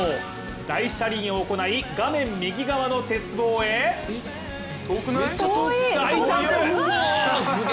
大車輪を行い画面右側の鉄棒へ台ジャンプ！